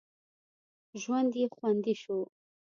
ژوند یې خوندي شو.